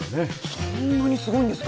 そんなにすごいんですか？